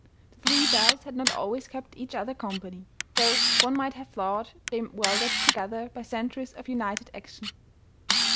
The three bells had not always kept each other com pany, though one might have thought them welded, to gether by centuries of united action.